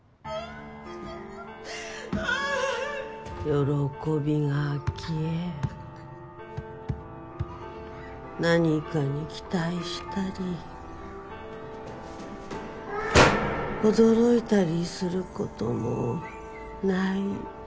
喜びが消え何かに期待したり驚いたりすることもない。